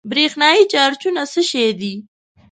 برېښنايي چارجونه څه شی دي؟